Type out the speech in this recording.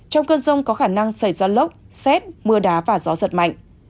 trong cơn rông có khả năng xảy ra lốc xét mưa đá và gió giật mạnh